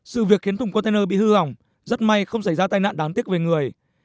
sự việc khiến thùng container bị hư hỏng rất may không xảy ra tai nạn đáng tiếc về người